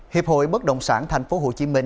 hiệp hội bất động sản tp hcm